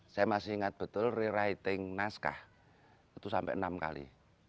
saya masih ingat betul rewriting naskah itu sampai enam kali